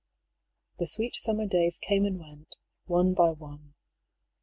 The sweet summer days came and went, one by one.